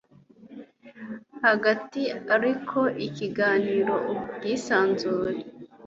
hagati ariko ikagira ubwisanzure